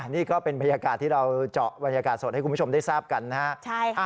นี่ก็เป็นบรรยากาศที่เราเจาะบรรยากาศสดให้คุณผู้ชมได้ทราบกันนะครับ